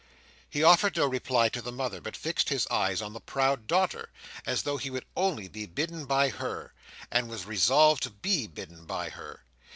He offered no reply to the mother, but fixed his eyes on the proud daughter, as though he would only be bidden by her, and was resolved to be bidden by her.